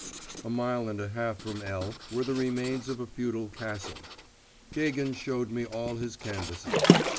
A mile and a half from L. were the remains of a feudal castle. Gagin showed me all his canvases.